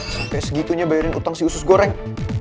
sampai segitunya bayarin utang si usus goreng